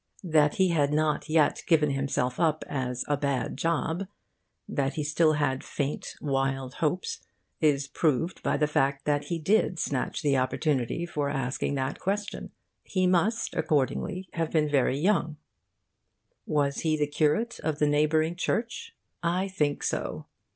That he had not yet given himself up as a bad job, that he still had faint wild hopes, is proved by the fact that he did snatch the opportunity for asking that question. He must, accordingly, have been young. Was he the curate of the neighbouring church? I think so.